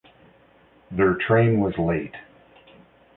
Their train was late.